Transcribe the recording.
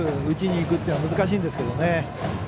打ちにいくというのは難しいんですけどね。